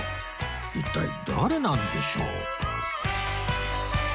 一体誰なんでしょう？